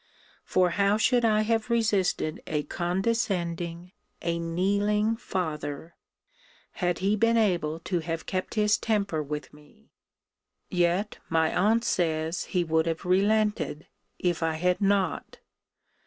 For how should I have resisted a condescending, a kneeling father, had he been able to have kept his temper with me? Yet my aunt say he would have relented, if I had not.